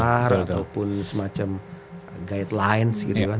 ataupun semacam guidelines gitu kan